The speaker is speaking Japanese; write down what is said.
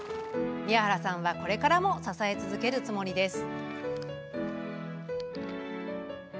宮原さんはこれからも支え続けるつもりです。